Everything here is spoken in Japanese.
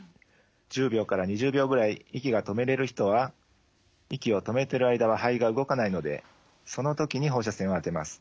１０秒から２０秒ぐらい息が止めれる人は息を止めてる間は肺が動かないのでその時に放射線を当てます。